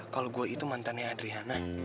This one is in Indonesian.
kalau gue itu mantannya adriana